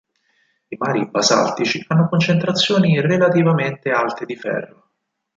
I mari basaltici hanno concentrazioni relativamente alte di ferro.